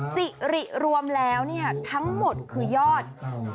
สิริรวมแล้วทั้งหมดคือยอด